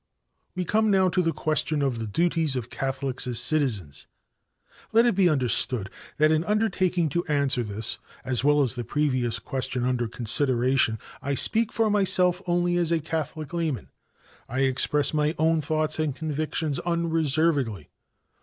"We now come to the question of the 'Duties of Catholics as Citizens.' Let it be understood that in undertaking to answer this, as well as the previous question under consideration, I speak for myself only as a Catholic layman. I express my own thoughts and convictions unreservedly.